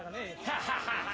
ハハハハ。